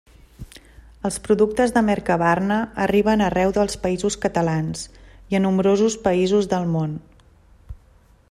Els productes de Mercabarna arriben arreu dels Països Catalans i a nombrosos països del món.